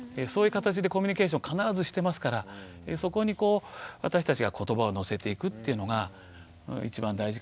そういう形でコミュニケーションを必ずしてますからそこにこう私たちがことばをのせていくっていうのが一番大事かなと。